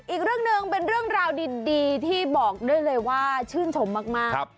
อีกเรื่องหนึ่งเป็นเรื่องราวดีที่บอกได้เลยว่าชื่นชมมาก